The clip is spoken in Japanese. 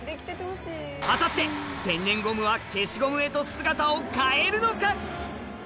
果たして天然ゴムは消しゴムへと姿を変えるのか。